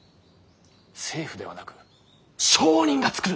政府ではなく商人が作るんだ。